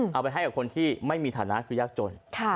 เอาไปให้กับคนที่ไม่มีฐานะคือยากจน